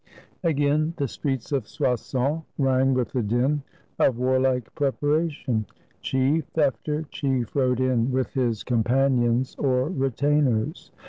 Again the streets of Soissons rang with the din of warlike preparation. Chief after chief rode in with his 144 THE CHRISTMAS OF 496 companions or retainers.